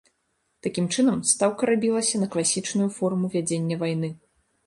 Такім чынам, стаўка рабілася на класічную форму вядзення вайны.